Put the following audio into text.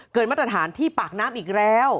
มาตรฐานที่ปากน้ำอีกแล้ว